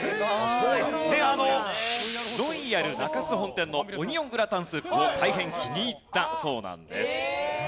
であのロイヤル中洲本店のオニオングラタンスープを大変気に入ったそうなんです。